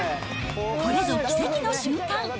これぞ奇跡の瞬間。